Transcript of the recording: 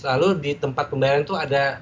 lalu di tempat pembayaran itu ada